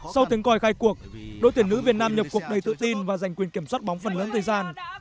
sau tiếng còi khai cuộc đội tuyển nữ việt nam nhập cuộc đầy tự tin và giành quyền kiểm soát bóng phần lớn thời gian